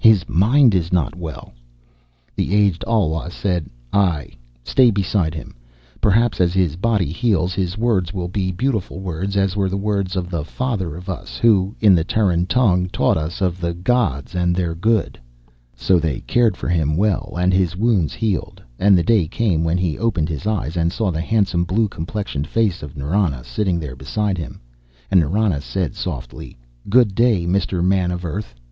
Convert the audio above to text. His mind is not well." The aged Alwa said, "Aie. Stay beside him. Perhaps as his body heals, his words will be beautiful words as were the words of the Father of Us who, in the Terran tongue, taught us of the gods and their good." So they cared for him well, and his wounds healed, and the day came when he opened his eyes and saw the handsome blue complexioned face of Nrana sitting there beside him, and Nrana said softly, "Good day, Mr. Man of Earth.